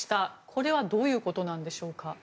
これはどういうことでしょうか？